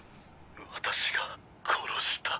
私が殺した。